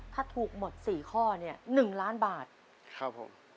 ถ้าถูกหมดสี่ข้อเนี่ย๑ล้านบาทครับผม